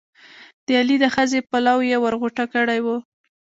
د علي د ښځې پلو یې ور غوټه کړی وو.